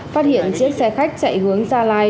phát hiện chiếc xe khách chạy hướng gia lai